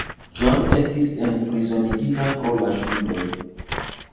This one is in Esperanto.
John estis enprizonigita pro la ŝuldoj.